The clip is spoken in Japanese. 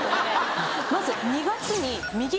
まず。